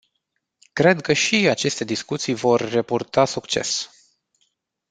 Cred că și aceste discuții vor repurta succes.